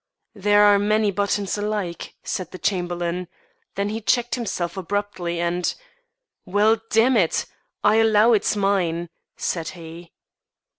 "There are many buttons alike," said the Chamberlain. Then he checked himself abruptly and "Well, damn it! I'll allow it's mine," said he.